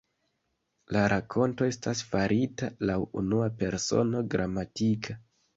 La rakonto estas farita laŭ unua persono gramatika.